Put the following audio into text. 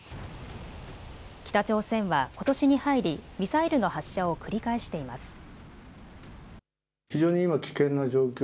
北朝鮮はことしに入りミサイルの発射を繰り返しています。